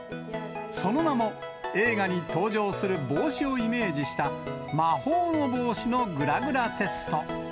その名も、映画に登場する帽子をイメージした、魔法の帽子のグラグラテスト。